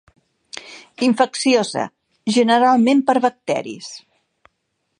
Infecciosa, generalment per bacteris.